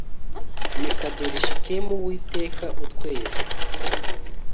MEKADOLISHKEMUWITEKA UTWEZA